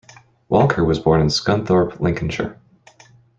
Walker was born in Scunthorpe, Lincolnshire.